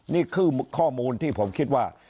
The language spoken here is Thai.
นี่คือข้อมูลที่ผมคิดว่า